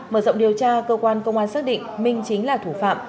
mở rộng điều tra cơ quan công an xác định minh chính là thủ phạm